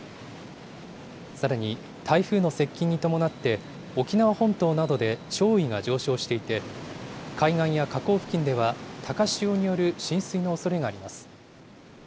さらに台風の接近に伴って、沖縄本島などで潮位が上昇していて、海岸や河口付近では高潮による浸水のおそれがあります。